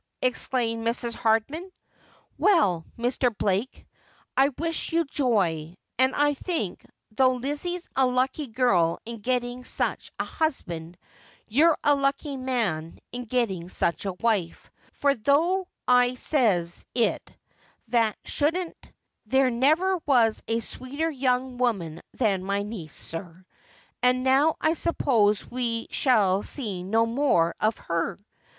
' exclaimed Mrs. Hardman. 'Well, Mr. Blake, I wish you joy, and I think, though Lizzie's a lucky girl in getting such a husband, you're a lucky man in getting such a wife ; for though I says it that shouldn't, there never was a sweeter young woman than my niece, sir. And now I suppose we shall see no more of her.